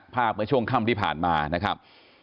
เมื่อช่วงค่ำที่ผ่านมานะครับ